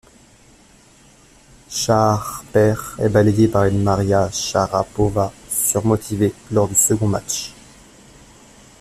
Shahar Peer est balayée par une Maria Sharapova surmotivée lors du second match.